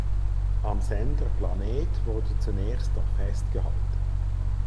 Am Sender "Planet" wurde zunächst noch festgehalten.